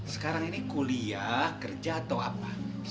sekarang ini kuliah kerja atau apa